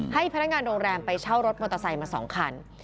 ให้พนักงานโรงแรมไปเช่ารถมอเตอร์ไซค์มา๒คัน